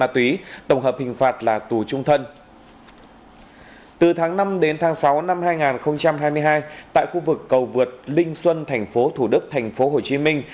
tháng năm đến tháng sáu năm hai nghìn hai mươi hai tại khu vực cầu vượt linh xuân thành phố thủ đức thành phố hồ chí minh